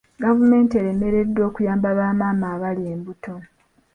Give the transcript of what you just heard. Gavumenti eremereddwa okuyamba ba maama abali embuto.